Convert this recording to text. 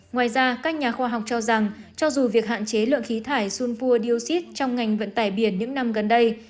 ngoài ra các nhà khoa học cho rằng cho dù việc hạn chế lượng khí thải sunfua dioxide trong ngành vận tải biển những năm gần đây